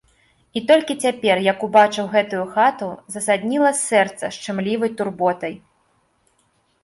І толькі цяпер, як убачыў гэтую хату, засадніла сэрца шчымлівай турботай.